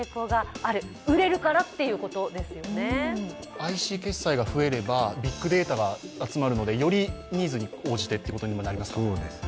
ＩＣ決済が増えればビッグデータが集まるのでよりニーズに応じてっていうことになりますよね。